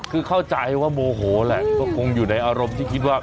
คือเข้าใจว่าโมโหแหละก็คงอยู่ในอารมณ์ที่คิดว่า